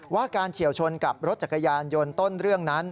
การเฉียวชนกับรถจักรยานยนต์ต้นเรื่องนั้น